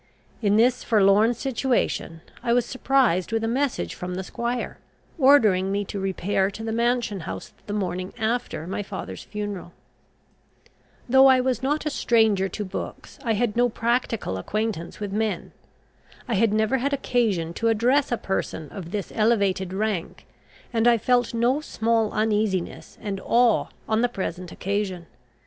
In this forlorn situation I was surprised with a message from the squire, ordering me to repair to the mansion house the morning after my father's funeral. Though I was not a stranger to books, I had no practical acquaintance with men. I had never had occasion to address a person of this elevated rank, and I felt no small uneasiness and awe on the present occasion.